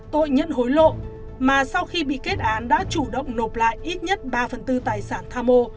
tội nhận hối lộ mà sau khi bị kết án đã chủ động nộp lại ít nhất ba phần tư tài sản tham mô